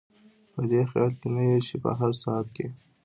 په دې خیال کې نه یو چې په هر ساعت کې.